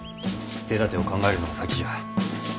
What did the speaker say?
手だてを考えるのが先じゃ。